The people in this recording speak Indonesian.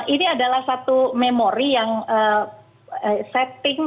ini adalah satu memori yang setting